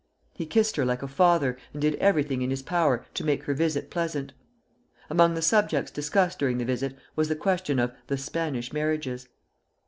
He kissed her like a father, and did everything in his power to make her visit pleasant. Among the subjects discussed during the visit was the question of "the Spanish marriages."